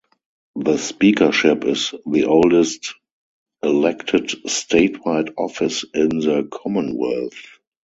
The speakership is the oldest elected statewide office in the Commonwealth.